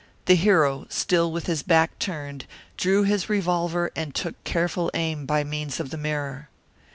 The hero, still with his back turned, drew his revolver and took careful aim by means of the mirror.